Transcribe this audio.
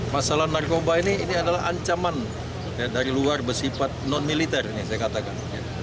masalah narkoba ini adalah ancaman dari luar bersifat non militer ini saya katakan